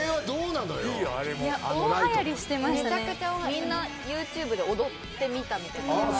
みんなＹｏｕＴｕｂｅで踊ってみたみたいな。